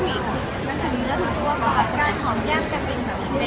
ไม่จบ